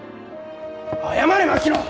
謝れ槙野！